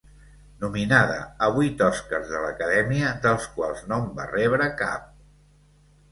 Nominada a vuit Oscars de l'Acadèmia dels quals no en va rebre cap.